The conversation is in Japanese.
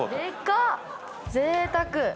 ぜいたく！